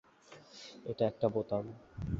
এটা একটা বোতাম।